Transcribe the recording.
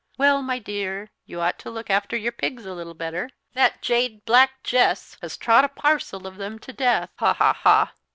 "Well, my dear, you ought to look after your pigs a little better. That jade, black Jess, has trod a parcel of them to death, ha, ha, ha!